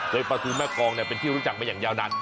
โดยปลาทูแม่กองเป็นที่รู้จักมาอย่างยาวนาน